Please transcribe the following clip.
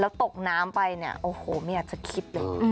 ตกน้ำไปเนี่ยโอ้โหไม่อยากจะคิดเลย